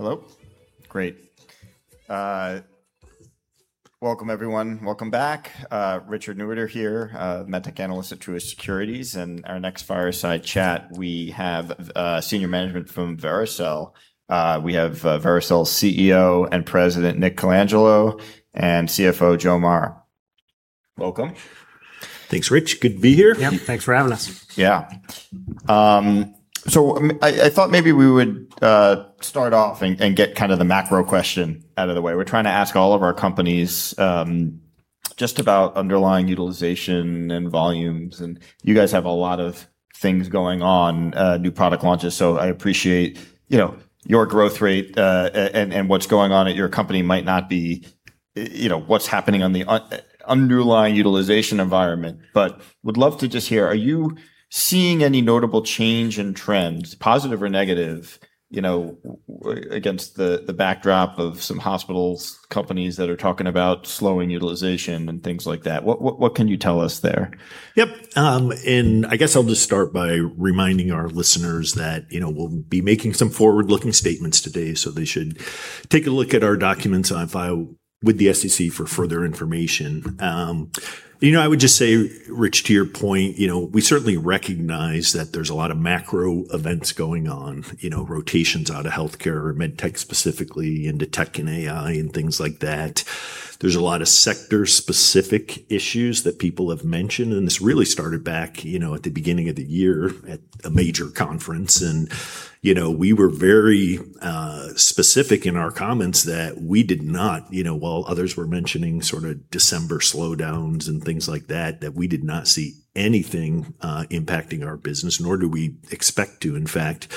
Hello. Great. Welcome, everyone. Welcome back. Richard Newitter here, MedTech analyst at Truist Securities, and our next fireside chat, we have senior management from Vericel. We have Vericel's CEO and President, Nick Colangelo, and CFO, Joe Mara. Welcome. Thanks, Rich. Good to be here. Yep. Thanks for having us. Yeah. I thought maybe we would start off and get the macro question out of the way. We're trying to ask all of our companies just about underlying utilization and volumes, and you guys have a lot of things going on, new product launches. I appreciate your growth rate, and what's going on at your company might not be what's happening on the underlying utilization environment. Would love to just hear, are you seeing any notable change in trends, positive or negative, against the backdrop of some hospitals, companies that are talking about slowing utilization and things like that? What can you tell us there? Yep. I guess I'll just start by reminding our listeners that we'll be making some forward-looking statements today, so they should take a look at our documents on file with the SEC for further information. I would just say, Rich, to your point, we certainly recognize that there's a lot of macro events going on, rotations out of healthcare or MedTech specifically into tech and AI and things like that. There's a lot of sector-specific issues that people have mentioned, and this really started back at the beginning of the year at a major conference, and we were very specific in our comments that we did not, while others were mentioning sort of December slowdowns and things like that we did not see anything impacting our business, nor do we expect to. In fact,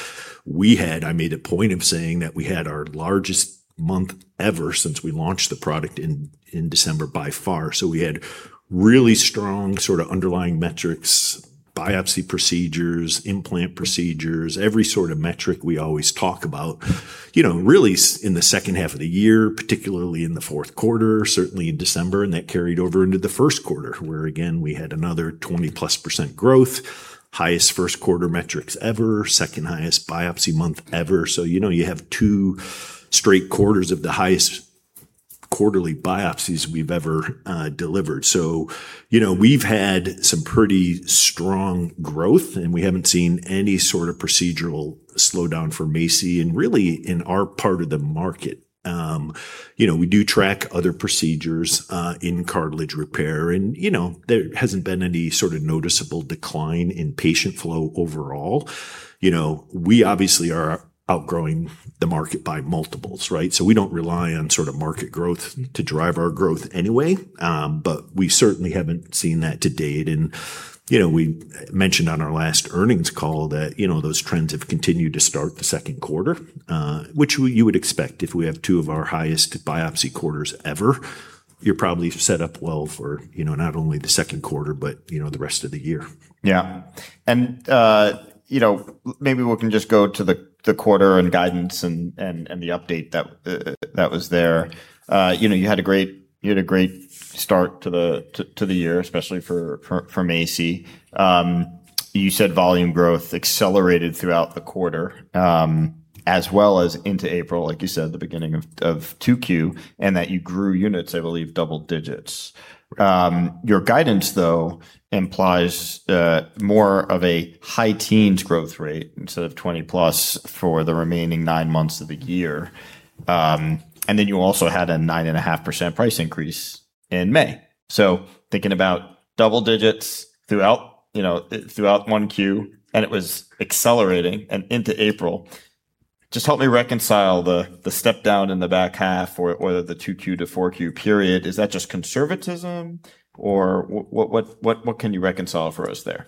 I made a point of saying that we had our largest month ever since we launched the product in December by far. We had really strong sort of underlying metrics, biopsy procedures, implant procedures, every sort of metric we always talk about, really in the second half of the year, particularly in the fourth quarter, certainly in December, and that carried over into the first quarter, where again, we had another 20%+ growth, highest first-quarter metrics ever, second-highest biopsy month ever. You have two straight quarters of the highest quarterly biopsies we've ever delivered. We've had some pretty strong growth, and we haven't seen any sort of procedural slowdown for MACI and really in our part of the market. We do track other procedures in cartilage repair, and there hasn't been any sort of noticeable decline in patient flow overall. We obviously are outgrowing the market by multiples, right? We don't rely on sort of market growth to drive our growth anyway. We certainly haven't seen that to date, and we mentioned on our last earnings call that those trends have continued to start the second quarter, which you would expect if we have two of our highest biopsy quarters ever. You're probably set up well for not only the second quarter but the rest of the year. Yeah. Maybe we can just go to the quarter and guidance and the update that was there. You had a great start to the year, especially for MACI. You said volume growth accelerated throughout the quarter as well as into April, like you said, the beginning of 2Q, and that you grew units, I believe, double digits. Right. Your guidance, though, implies more of a high teens growth rate instead of 20%+ for the remaining nine months of the year. You also had a 9.5% price increase in May. Thinking about double digits throughout 1Q, and it was accelerating and into April, just help me reconcile the step-down in the back half or the 2Q to 4Q period. Is that just conservatism or what can you reconcile for us there?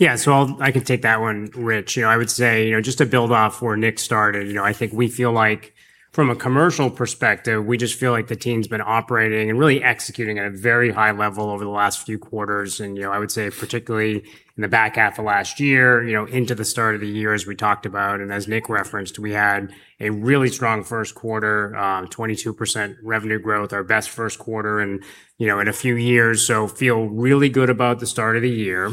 I can take that one, Rich. I would say, just to build off where Nick started, I think we feel like from a commercial perspective, we just feel like the team's been operating and really executing at a very high level over the last few quarters, and I would say particularly in the back half of last year into the start of the year, as we talked about and as Nick referenced, we had a really strong first quarter, 22% revenue growth, our best first quarter in a few years. Feel really good about the start of the year.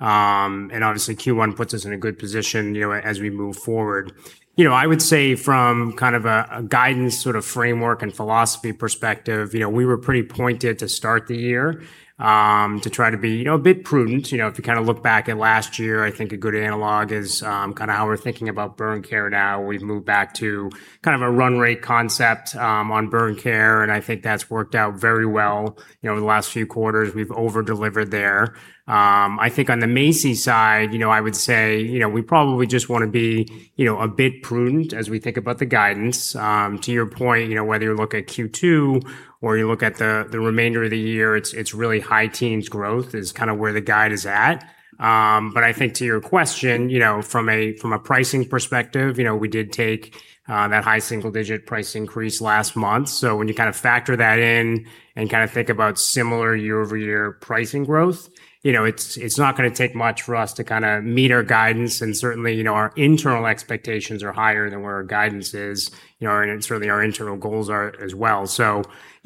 Obviously Q1 puts us in a good position as we move forward. I would say from kind of a guidance sort of framework and philosophy perspective, we were pretty pointed to start the year to try to be a bit prudent. If you kind of look back at last year, I think a good analog is kind of how we're thinking about burn care now. We've moved back to kind of a run rate concept on burn care, and I think that's worked out very well over the last few quarters. We've over-delivered there. I think on the MACI side, I would say we probably just want to be a bit prudent as we think about the guidance. To your point, whether you look at Q2 or you look at the remainder of the year, it's really high teens growth is kind of where the guide is at. I think to your question, from a pricing perspective, we did take that high single-digit price increase last month. When you kind of factor that in and kind of think about similar year-over-year pricing growth, it's not going to take much for us to kind of meet our guidance and certainly our internal expectations are higher than where our guidance is and certainly our internal goals are as well.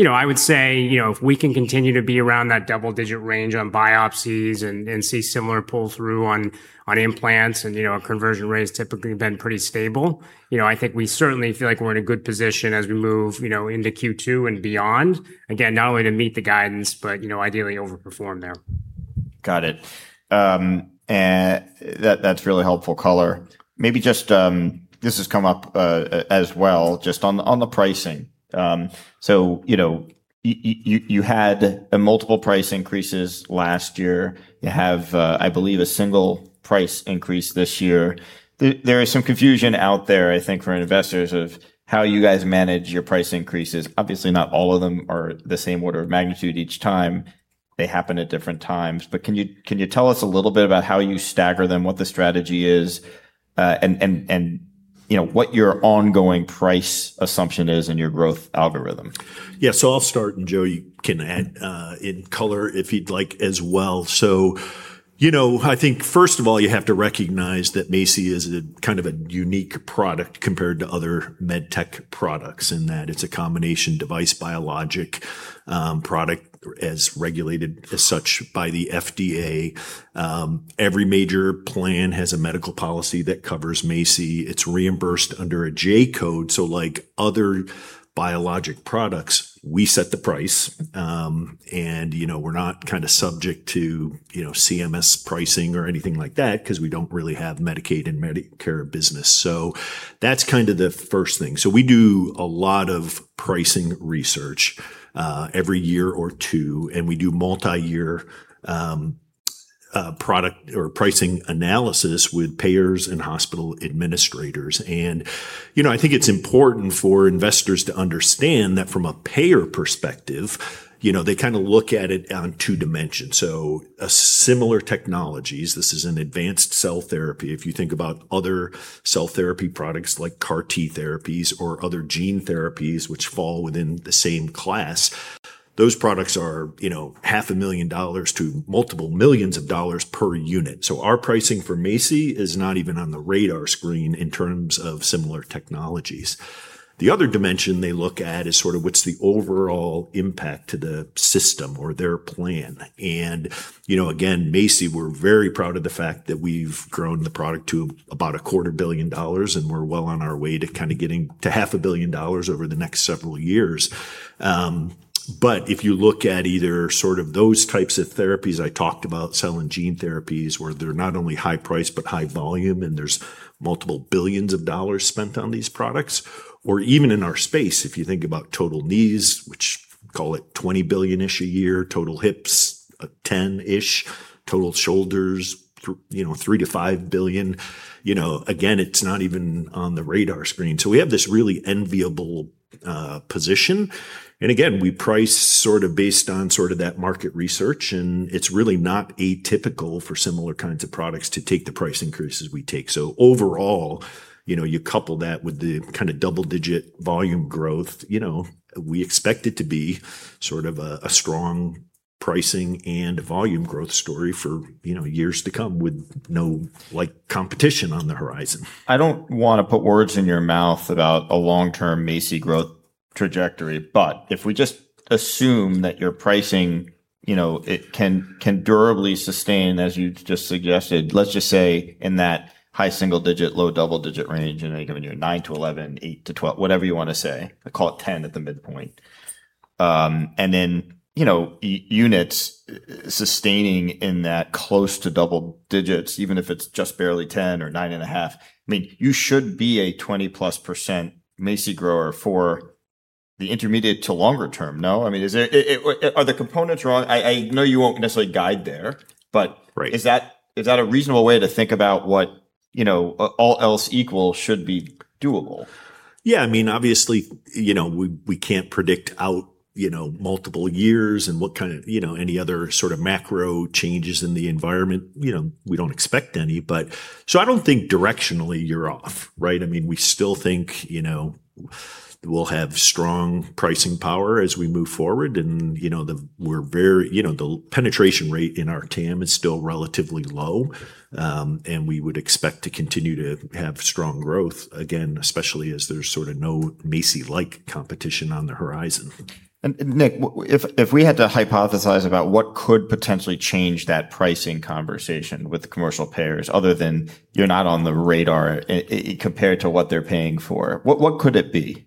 I would say if we can continue to be around that double-digit range on biopsies and see similar pull-through on implants and our conversion rate has typically been pretty stable, I think we certainly feel like we're in a good position as we move into Q2 and beyond. Again, not only to meet the guidance, but ideally overperform there. Got it. That's really helpful color. This has come up as well, just on the pricing. You had multiple price increases last year. You have, I believe, a single price increase this year. There is some confusion out there, I think, for investors of how you guys manage your price increases. Obviously, not all of them are the same order of magnitude each time. They happen at different times. Can you tell us a little bit about how you stagger them, what the strategy is, and what your ongoing price assumption is in your growth algorithm? Yeah. I'll start, and Joe can add in color if he'd like as well. I think, first of all, you have to recognize that MACI is a kind of a unique product compared to other MedTech products, in that it's a combination device, biologic product as regulated as such by the FDA. Every major plan has a medical policy that covers MACI. It's reimbursed under a J code, like other biologic products, we set the price. We're not subject to CMS pricing or anything like that because we don't really have Medicaid and Medicare business. That's kind of the first thing. We do a lot of pricing research every year or two, and we do multi-year product or pricing analysis with payers and hospital administrators. I think it's important for investors to understand that from a payer perspective, they look at it on two dimensions. Similar technologies, this is an advanced cell therapy. If you think about other cell therapy products like CAR T therapies or other gene therapies which fall within the same class, those products are half a million dollars to multiple millions of dollars per unit. Our pricing for MACI is not even on the radar screen in terms of similar technologies. The other dimension they look at is sort of what's the overall impact to the system or their plan. Again, MACI, we're very proud of the fact that we've grown the product to about a quarter billion dollars, and we're well on our way to kind of getting to half a billion dollars over the next several years. If you look at either sort of those types of therapies I talked about, cell and gene therapies, where they're not only high price but high volume, and there's multiple billions of dollars spent on these products. Or even in our space, if you think about total knees, which call it $20 billion-ish a year, total hips, $10 billion-ish, total shoulders, $3 billion-$5 billion. Again, it's not even on the radar screen. We have this really enviable position, and again, we price sort of based on that market research, and it's really not atypical for similar kinds of products to take the price increases we take. Overall, you couple that with the kind of double-digit volume growth, we expect it to be sort of a strong pricing and volume growth story for years to come with no competition on the horizon. I don't want to put words in your mouth about a long-term MACI growth trajectory, if we just assume that your pricing can durably sustain, as you just suggested, let's just say in that high single digit, low double digit range, then giving you a 9%-11%, 8%-12%, whatever you want to say, call it 10% at the midpoint. Then units sustaining in that close to double digits, even if it's just barely 10% or 9.5%, you should be a 20+ % MACI grower for the intermediate to longer term, no? Are the components wrong? I know you won't necessarily guide there- Right Is that a reasonable way to think about what all else equal should be doable? Yeah. Obviously, we can't predict out multiple years and any other sort of macro changes in the environment. We don't expect any. I don't think directionally you're off, right? We still think we'll have strong pricing power as we move forward, the penetration rate in our TAM is still relatively low. We would expect to continue to have strong growth, again, especially as there's sort of no MACI-like competition on the horizon. Nick, if we had to hypothesize about what could potentially change that pricing conversation with commercial payers other than you're not on the radar compared to what they're paying for, what could it be?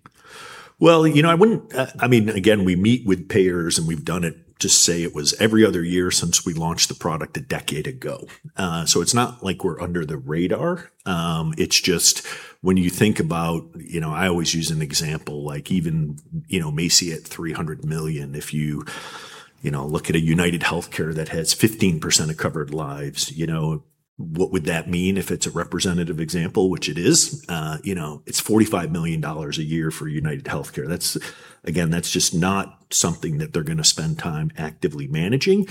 Again, we meet with payers, we've done it, just say it was every other year since we launched the product a decade ago. It's not like we're under the radar. It's just when you think about, I always use an example, like even MACI at $300 million, if you look at a UnitedHealthcare that has 15% of covered lives, what would that mean if it's a representative example, which it is? It's $45 million a year for UnitedHealthcare. Again, that's just not something that they're going to spend time actively managing.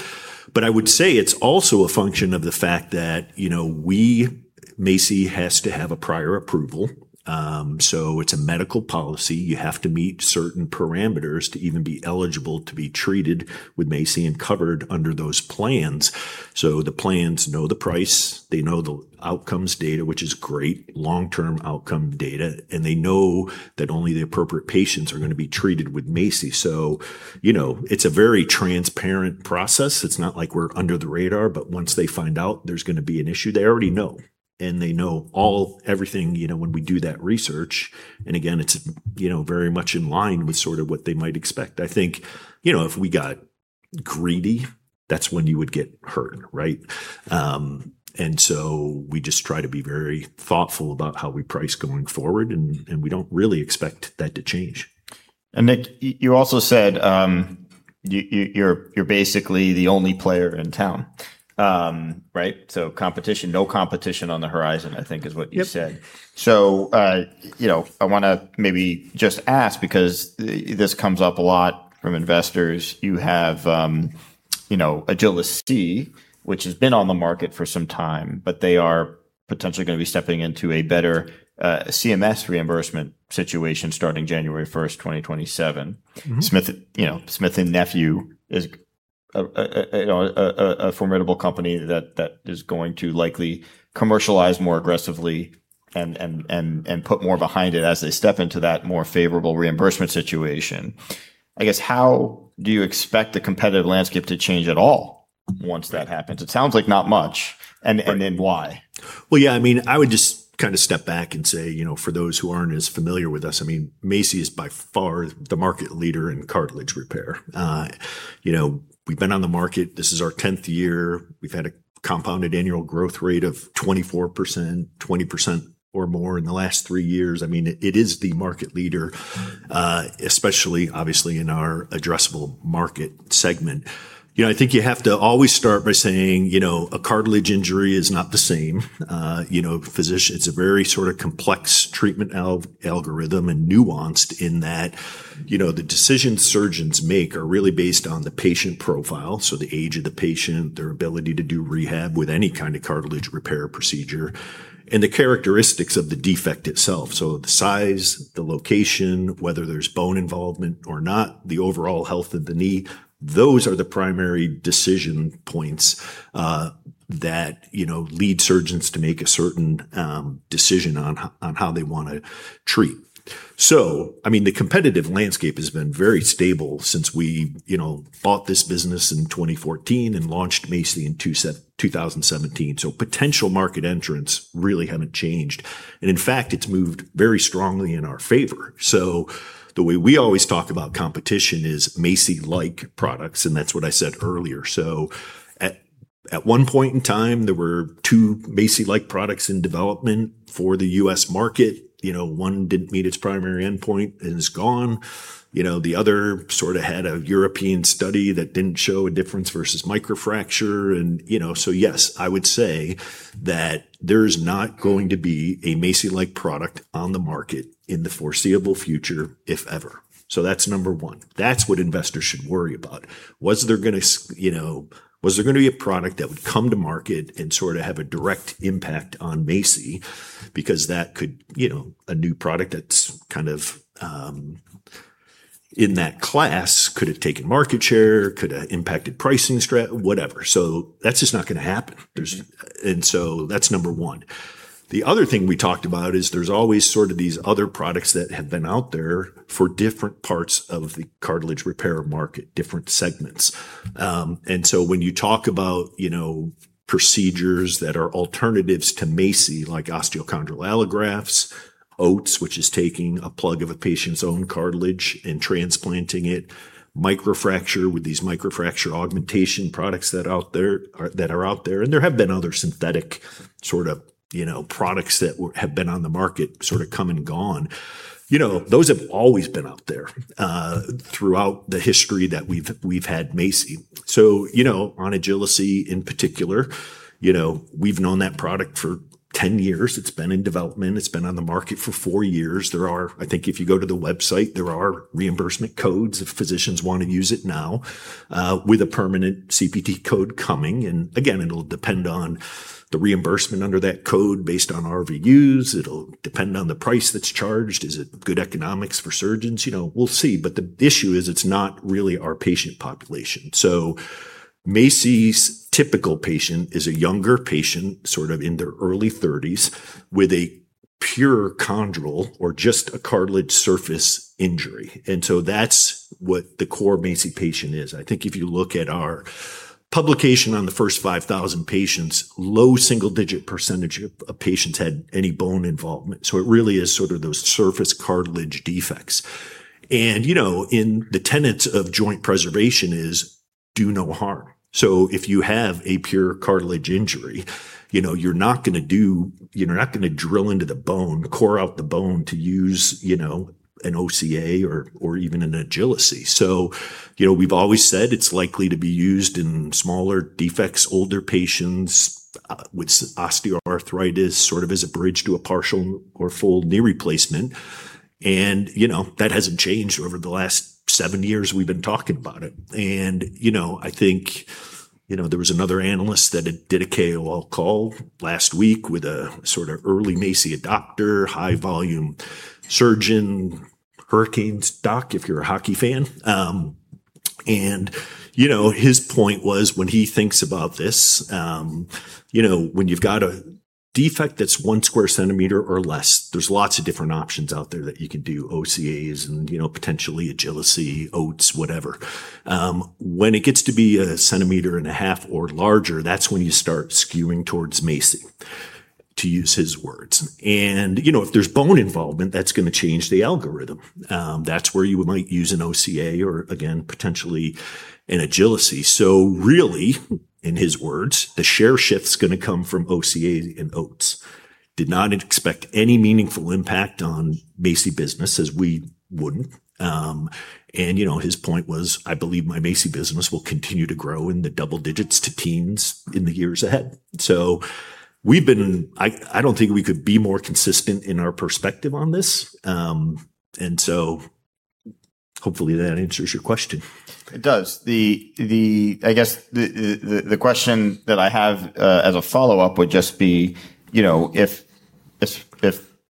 I would say it's also a function of the fact that MACI has to have a prior approval. It's a medical policy. You have to meet certain parameters to even be eligible to be treated with MACI and covered under those plans. The plans know the price, they know the outcomes data, which is great long-term outcome data, and they know that only the appropriate patients are going to be treated with MACI. It's a very transparent process. It's not like we're under the radar, but once they find out there's going to be an issue, they already know, and they know all, everything, when we do that research, and again, it's very much in line with sort of what they might expect. I think, if we got greedy, that's when you would get hurt, right? We just try to be very thoughtful about how we price going forward, and we don't really expect that to change. Nick, you also said you're basically the only player in town, right? Competition, no competition on the horizon, I think is what you said. Yep. I want to maybe just ask because this comes up a lot from investors. You have Agility, which has been on the market for some time, but they are potentially going to be stepping into a better CMS reimbursement situation starting January 1st, 2027. Smith+Nephew is a formidable company that is going to likely commercialize more aggressively and put more behind it as they step into that more favorable reimbursement situation. I guess how do you expect the competitive landscape to change at all once that happens? It sounds like not much. Why? Well, yeah, I would just step back and say for those who aren't as familiar with us, MACI is by far the market leader in cartilage repair. We've been on the market. This is our 10th year. We've had a compounded annual growth rate of 24%, 20% or more in the last three years. It is the market leader, especially obviously in our addressable market segment. I think you have to always start by saying a cartilage injury is not the same. It's a very sort of complex treatment algorithm and nuanced in that the decisions surgeons make are really based on the patient profile, so the age of the patient, their ability to do rehab with any kind of cartilage repair procedure, and the characteristics of the defect itself. The size, the location, whether there's bone involvement or not, the overall health of the knee, those are the primary decision points that lead surgeons to make a certain decision on how they want to treat. The competitive landscape has been very stable since we bought this business in 2014 and launched MACI in 2017. Potential market entrants really haven't changed, and in fact, it's moved very strongly in our favor. The way we always talk about competition is MACI-like products, and that's what I said earlier. At one point in time, there were two MACI-like products in development for the U.S. market. One didn't meet its primary endpoint and is gone. The other sort of had a European study that didn't show a difference versus microfracture. Yes, I would say that there's not going to be a MACI-like product on the market in the foreseeable future, if ever. That's number one. That's what investors should worry about. Was there going to be a product that would come to market and sort of have a direct impact on MACI? Because a new product that's kind of in that class could have taken market share, could have impacted pricing strat, whatever. That's just not going to happen. That's number one. The other thing we talked about is there's always sort of these other products that have been out there for different parts of the cartilage repair market, different segments. When you talk about procedures that are alternatives to MACI, like osteochondral allografts, OATS, which is taking a plug of a patient's own cartilage and transplanting it, microfracture with these microfracture augmentation products that are out there, and there have been other synthetic sort of products that have been on the market sort of come and gone. Those have always been out there throughout the history that we've had MACI. On Agility in particular, we've known that product for 10 years. It's been in development. It's been on the market for four years. I think if you go to the website, there are reimbursement codes if physicians want to use it now, with a permanent CPT code coming. Again, it'll depend on the reimbursement under that code based on RVUs. It'll depend on the price that's charged. Is it good economics for surgeons? We'll see, but the issue is it's not really our patient population. MACI's typical patient is a younger patient, sort of in their early 30s with a pure chondral or just a cartilage surface injury. That's what the core MACI patient is. I think if you look at our publication on the first 5,000 patients, low single-digit percentage of patients had any bone involvement. It really is sort of those surface cartilage defects. In the tenets of joint preservation is do no harm. If you have a pure cartilage injury, you're not going to drill into the bone, core out the bone to use an OCA or even an Agility. We've always said it's likely to be used in smaller defects, older patients, with osteoarthritis sort of as a bridge to a partial or full knee replacement, and that hasn't changed over the last seven years we've been talking about it. I think there was another analyst that had did a KOL call last week with a sort of early MACI adopter, high-volume surgeon, Hurricanes doc, if you're a hockey fan. His point was when he thinks about this, when you've got a defect that's 1 square centimeter or less, there's lots of different options out there that you can do, OCAs and potentially Agility, OATS, whatever. When it gets to be a centimeter and a half or larger, that's when you start skewing towards MACI. To use his words. If there's bone involvement, that's going to change the algorithm. That's where you might use an OCA or again, potentially an Agility. Really, in his words, "The share shift's going to come from OCA and OATS." Did not expect any meaningful impact on MACI business as we wouldn't. His point was, "I believe my MACI business will continue to grow in the double digits to teens in the years ahead." I don't think we could be more consistent in our perspective on this. Hopefully that answers your question. It does. I guess the question that I have as a follow-up would just be, if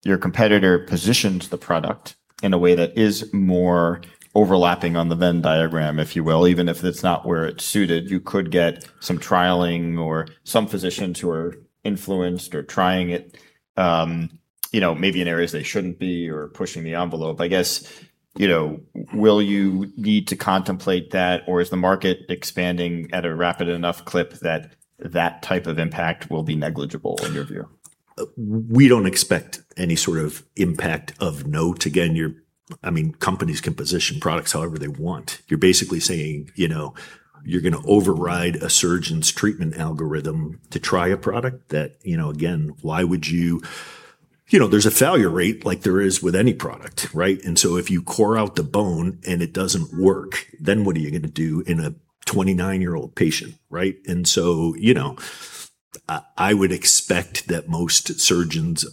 your competitor positions the product in a way that is more overlapping on the Venn diagram, if you will, even if it's not where it's suited, you could get some trialing or some physicians who are influenced or trying it maybe in areas they shouldn't be or pushing the envelope. I guess, will you need to contemplate that or is the market expanding at a rapid enough clip that type of impact will be negligible in your view? We don't expect any sort of impact of note. Again, companies can position products however they want. You're basically saying, you're going to override a surgeon's treatment algorithm to try a product that, again, why would you? There's a failure rate like there is with any product, right? If you core out the bone and it doesn't work, then what are you going to do in a 29-year-old patient, right? I would expect that most surgeons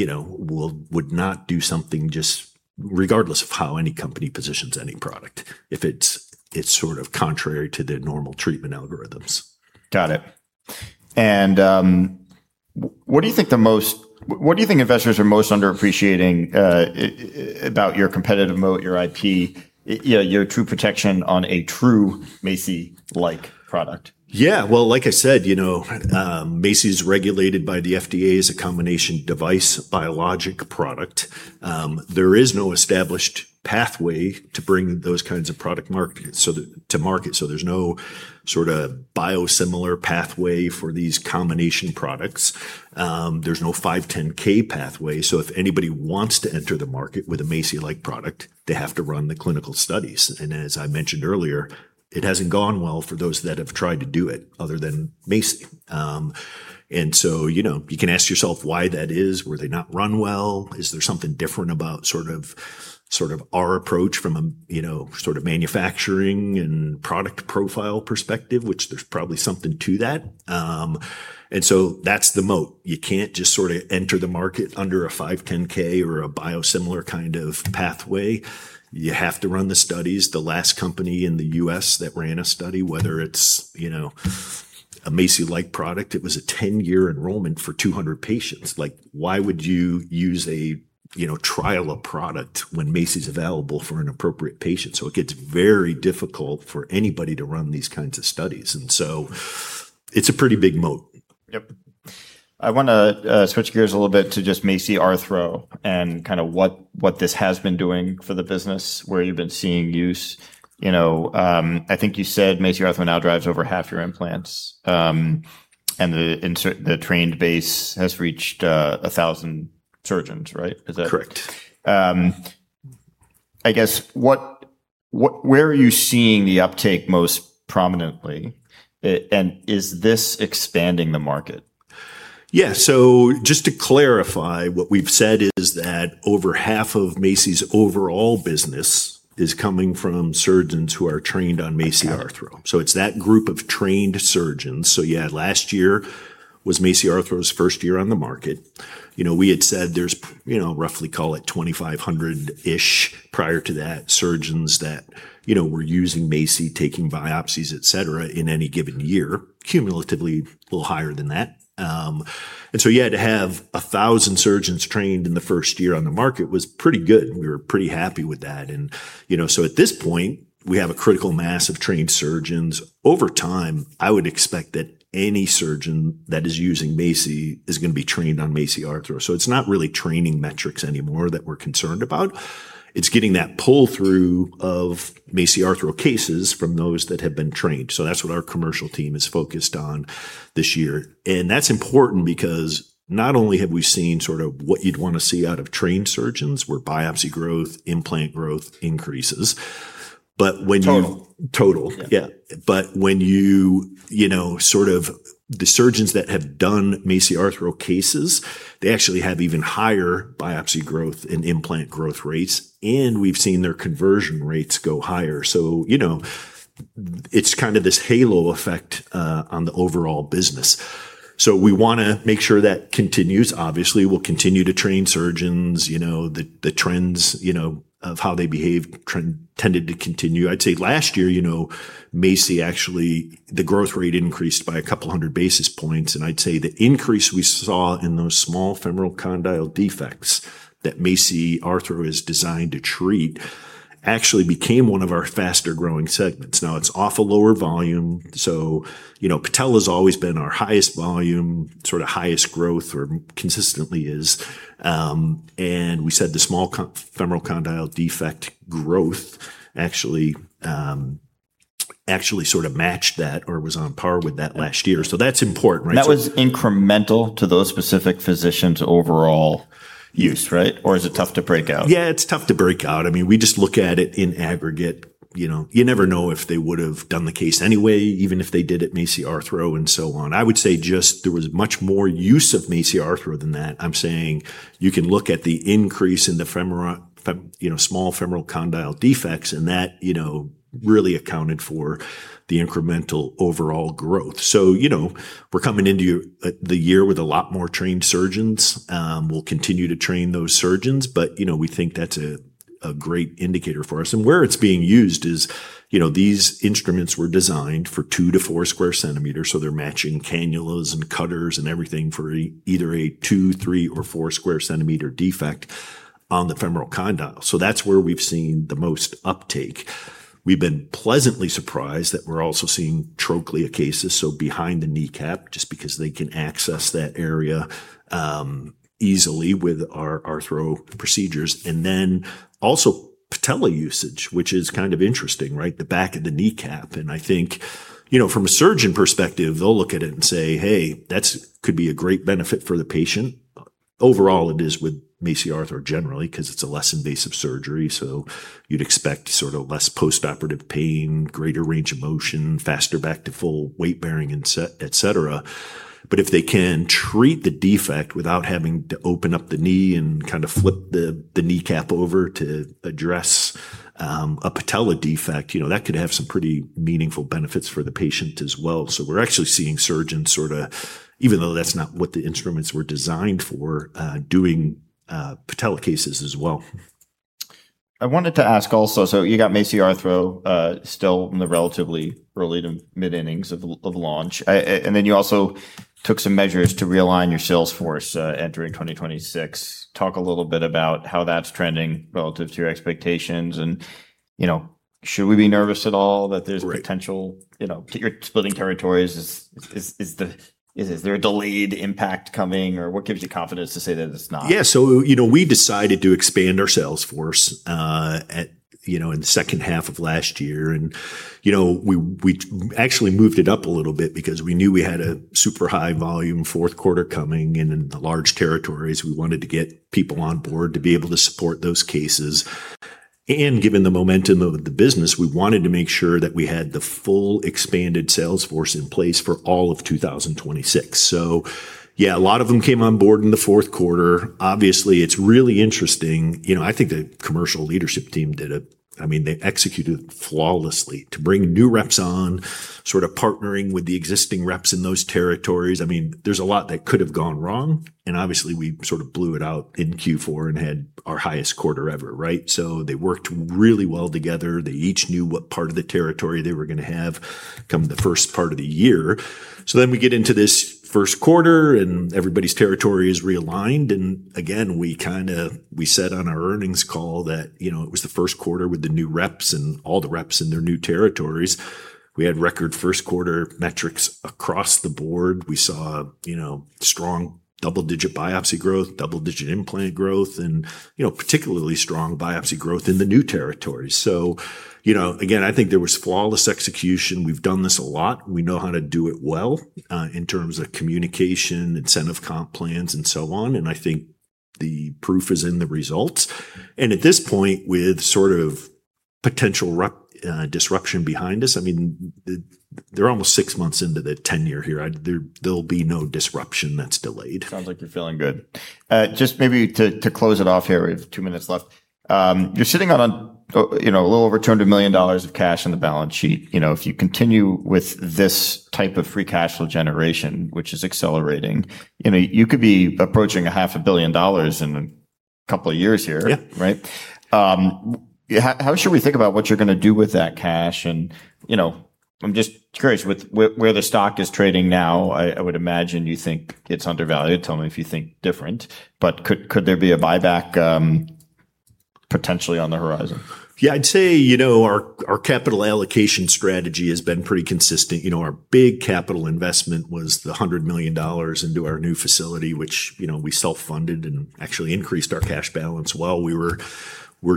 would not do something just regardless of how any company positions any product, if it's sort of contrary to their normal treatment algorithms. Got it. What do you think investors are most underappreciating about your competitive moat, your IP, your true protection on a true MACI-like product? Yeah. Well, like I said, MACI's regulated by the FDA as a combination device biologic product. There is no established pathway to bring those kinds of product to market, so there's no sort of biosimilar pathway for these combination products. There's no 510(k) pathway, so if anybody wants to enter the market with a MACI-like product, they have to run the clinical studies. As I mentioned earlier, it hasn't gone well for those that have tried to do it other than MACI. You can ask yourself why that is. Were they not run well? Is there something different about our approach from a manufacturing and product profile perspective? Which there's probably something to that. That's the moat. You can't just sort of enter the market under a 510(k) or a biosimilar kind of pathway. You have to run the studies. The last company in the U.S. that ran a study, whether it's a MACI-like product, it was a 10-year enrollment for 200 patients. Why would you use a trial of product when MACI's available for an appropriate patient? It gets very difficult for anybody to run these kinds of studies, it's a pretty big moat. Yep. I want to switch gears a little bit to just MACI Arthro and what this has been doing for the business, where you've been seeing use. I think you said MACI Arthro now drives over half your implants, and the trained base has reached 1,000 surgeons, right? Is that? Correct. Where are you seeing the uptake most prominently? Is this expanding the market? Yeah. Just to clarify, what we've said is that over half of MACI's overall business is coming from surgeons who are trained on MACI Arthro. It's that group of trained surgeons. Yeah, last year was MACI Arthro's first year on the market. We had said there's roughly call it 2,500-ish prior to that, surgeons that were using MACI, taking biopsies, et cetera, in any given year. Cumulatively, a little higher than that. Yeah, to have 1,000 surgeons trained in the first year on the market was pretty good, and we were pretty happy with that. At this point, we have a critical mass of trained surgeons. Over time, I would expect that any surgeon that is using MACI is going to be trained on MACI Arthro. It's not really training metrics anymore that we're concerned about. It's getting that pull-through of MACI Arthro cases from those that have been trained. That's what our commercial team is focused on this year. That's important because not only have we seen sort of what you'd want to see out of trained surgeons, where biopsy growth, implant growth increases. Total. Total. Yeah. When you sort of the surgeons that have done MACI Arthro cases, they actually have even higher biopsy growth and implant growth rates, and we've seen their conversion rates go higher. It's kind of this halo effect on the overall business. We want to make sure that continues. Obviously, we'll continue to train surgeons. The trends of how they behave tended to continue. I'd say last year, MACI actually, the growth rate increased by a couple of hundred basis points, and I'd say the increase we saw in those small femoral condyle defects that MACI Arthro is designed to treat actually became one of our faster-growing segments. Now, it's off a lower volume, so patella's always been our highest volume, sort of highest growth, or consistently is. We said the small femoral condyle defect growth actually sort of matched that or was on par with that last year. That's important, right? That was incremental to those specific physicians' overall use, right? Is it tough to break out? It's tough to break out. We just look at it in aggregate. You never know if they would've done the case anyway, even if they did it MACI Arthro and so on. I would say just there was much more use of MACI Arthro than that. I'm saying you can look at the increase in the small femoral condyle defects and that really accounted for the incremental overall growth. We're coming into the year with a lot more trained surgeons. We'll continue to train those surgeons, but we think that's a great indicator for us. Where it's being used is, these instruments were designed for two to four square centimeters, so they're matching cannulas and cutters and everything for either a two, three, or four square centimeter defect on the femoral condyle. That's where we've seen the most uptake. We've been pleasantly surprised that we're also seeing trochlea cases, so behind the kneecap, just because they can access that area easily with our Arthro procedures. Also patella usage, which is kind of interesting, right? The back of the kneecap. I think from a surgeon perspective, they'll look at it and say, "Hey, that could be a great benefit for the patient." Overall, it is with MACI Arthro generally because it's a less invasive surgery, so you'd expect sort of less postoperative pain, greater range of motion, faster back to full weight bearing, et cetera. If they can treat the defect without having to open up the knee and kind of flip the kneecap over to address a patella defect, that could have some pretty meaningful benefits for the patient as well. We're actually seeing surgeons sort of, even though that's not what the instruments were designed for, doing patella cases as well. I wanted to ask also, you got MACI Arthro still in the relatively early to mid-innings of launch, and then you also took some measures to realign your sales force entering 2026. Talk a little bit about how that's trending relative to your expectations and should we be nervous at all that there's potential. Right You're splitting territories. Is there a delayed impact coming, or what gives you confidence to say that it's not? Yeah. We decided to expand our sales force in the second half of last year. We actually moved it up a little bit because we knew we had a super high volume fourth quarter coming and in the large territories, we wanted to get people on board to be able to support those cases. Given the momentum of the business, we wanted to make sure that we had the full expanded sales force in place for all of 2026. Yeah, a lot of them came on board in the fourth quarter. Obviously, it's really interesting. I think the commercial leadership team, they executed flawlessly to bring new reps on, sort of partnering with the existing reps in those territories. There's a lot that could've gone wrong, and obviously, we sort of blew it out in Q4 and had our highest quarter ever, right? They worked really well together. They each knew what part of the territory they were going to have come the first part of the year. We get into this first quarter, and everybody's territory is realigned, and again, we said on our earnings call that it was the first quarter with the new reps and all the reps in their new territories. We had record first-quarter metrics across the board. We saw strong double-digit biopsy growth, double-digit implant growth, and particularly strong biopsy growth in the new territories. Again, I think there was flawless execution. We've done this a lot. We know how to do it well, in terms of communication, incentive comp plans, and so on, and I think the proof is in the results. At this point, with sort of potential disruption behind us, they're almost six months into the tenure here. There'll be no disruption that's delayed. Sounds like you're feeling good. Maybe to close it off here, we have two minutes left. You're sitting on a little over $200 million of cash on the balance sheet. If you continue with this type of free cash flow generation, which is accelerating, you could be approaching a half a billion dollars in a couple of years here. Yeah. Right? How should we think about what you're going to do with that cash, I'm just curious with where the stock is trading now, I would imagine you think it's undervalued. Tell me if you think different. Could there be a buyback potentially on the horizon? I'd say our capital allocation strategy has been pretty consistent. Our big capital investment was the $100 million into our new facility, which we self-funded and actually increased our cash balance while we were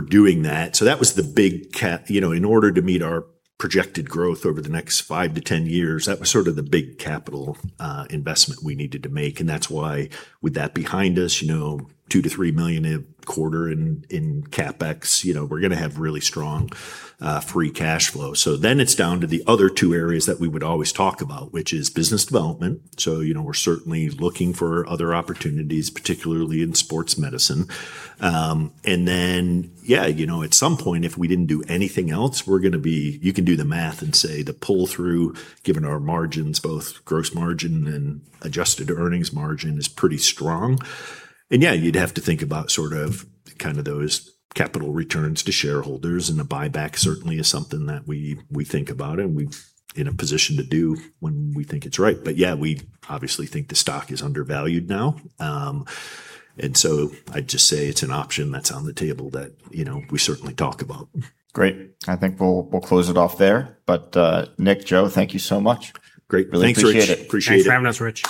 doing that. That was the big Cap. In order to meet our projected growth over the next five to 10 years, that was sort of the big capital investment we needed to make, that's why with that behind us, $2 million-$3 million a quarter in CapEx. We're going to have really strong free cash flow. It's down to the other two areas that we would always talk about, which is business development. We're certainly looking for other opportunities, particularly in sports medicine. At some point, if we didn't do anything else, you can do the math and say the pull-through, given our margins, both gross margin and adjusted earnings margin, is pretty strong. You'd have to think about those capital returns to shareholders, and a buyback certainly is something that we think about and we're in a position to do when we think it's right. We obviously think the stock is undervalued now. I'd just say it's an option that's on the table that we certainly talk about. Great. I think we'll close it off there. Nick, Joe, thank you so much. Great. Really appreciate it. Thanks, Rich. Appreciate it. Thanks for having us, Rich.